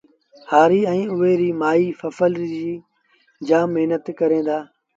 هآريٚ ائيٚݩ اُئي ريٚ مآئيٚ ڦسل ريٚ جآم مهنت ڪريݩ دآ